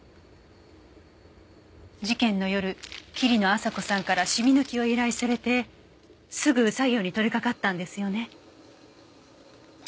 事件の夜桐野朝子さんからシミ抜きを依頼されてすぐ作業に取り掛かったんですよね？